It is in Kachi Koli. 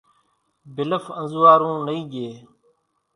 ڀلڦ انزوئارون نئي ڄي